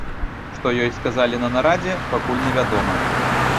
Што ёй сказалі на нарадзе, пакуль невядома.